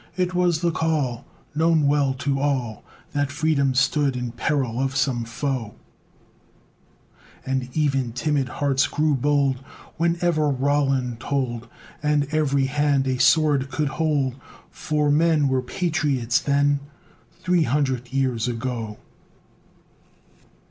It was the call Known well to all, That Freedom stood in peril of some foe: And even timid hearts grew bold Whenever Roland tolled, And every hand a sword could hold; For men Were patriots then, Three hundred years ago!